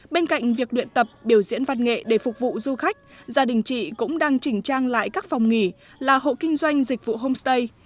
bên cạnh việc luyện tập biểu diễn văn nghệ để phục vụ du khách gia đình chị cũng đang chỉnh trang lại các phòng nghỉ là hộ kinh doanh dịch vụ homestay